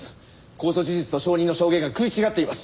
公訴事実と証人の証言が食い違っています。